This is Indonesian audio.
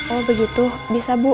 oh begitu bisa bu